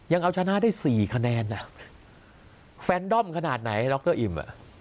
ยังเอาชนะได้๔คะแนนแฟนดอมขนาดไหนดรอิ่ม